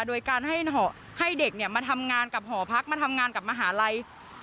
โดยการให้เด็กมาทำงานกับหอพักมาทำงานกับมหาลัย